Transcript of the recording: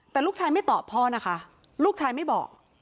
แต่ลูกชายไม่ตอบพ่อนะคะลูกชายไม่บอก